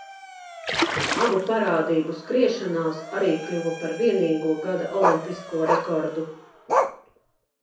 Abu parādību skriešanās arī kļuva par vienīgo gada olimpisko rekordu.